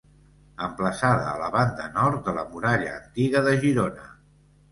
Emplaçada a la banda Nord de la muralla antiga de Girona.